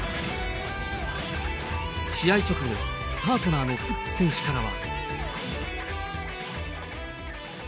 試合直後、パートナーのプッツ選手からは。